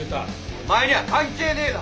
お前には関係ねえだろ！